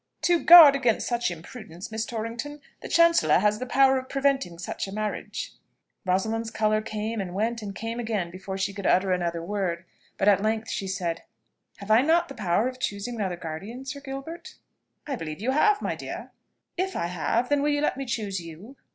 "To guard against such imprudence, Miss Torrington, the Chancellor has the power of preventing such a marriage." Rosalind's colour came, and went and came again, before she could utter another word; but at length she said, "Have I not the power of choosing another guardian, Sir Gilbert?" "I believe you have, my dear." "If I have, then will you let me choose you?"